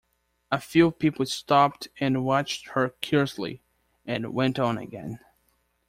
A few people stopped and watched her curiously, and went on again.